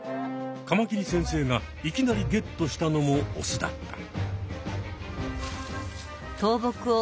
カマキリ先生がいきなりゲットしたのもオスだった。